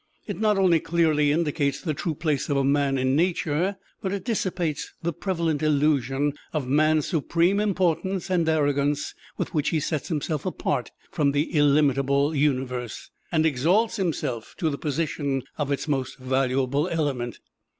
It not only clearly indicates the true place of a man in Nature, but it dissipates the prevalent illusion of man's supreme importance and arrogance with which he sets himself apart from the illimitable universe, and exalts himself to the position of its most valuable element.